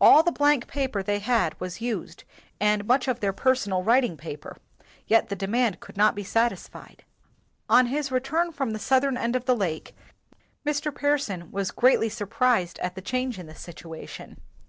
All the blank paper they had was used and much of their personal writing paper; yet the de mand could not be satisfied. On his return from the southern end of the lake, Mr. Pearson was greatly surprised at the change in the situation.